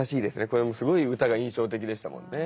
これもすごい歌が印象的でしたもんね。